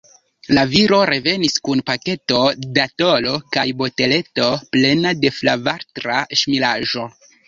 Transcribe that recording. La viro revenis kun paketo da tolo kaj boteleto plena de flavatra ŝmiraĵo.